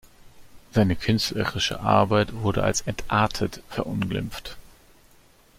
Seine künstlerische Arbeit wurde als „"entartet"“ verunglimpft.